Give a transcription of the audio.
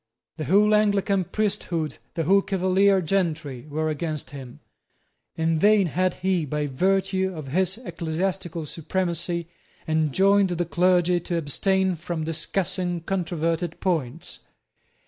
The whole Anglican priesthood, the whole Cavalier gentry, were against him. In vain had he, by virtue of his ecclesiastical supremacy, enjoined the clergy to abstain from discussing controverted points.